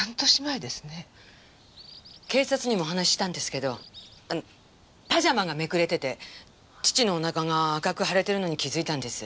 警察にもお話ししたんですけどパジャマがめくれてて父のおなかが赤く腫れてるのに気づいたんです。